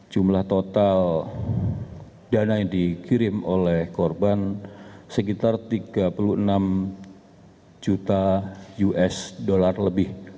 jumlah total dana yang dikirim oleh korban sekitar tiga puluh enam juta usd lebih